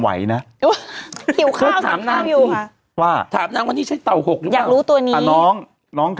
อันนี้เต่าบก